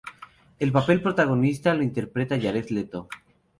El papel protagonista lo interpreta Jared Leto.